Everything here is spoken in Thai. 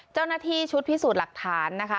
เจ้าหน้าที่ชุดพิสูจน์หลักฐานนะคะ